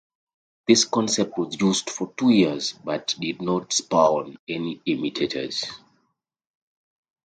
This concept was used for two years, but did not spawn any imitators.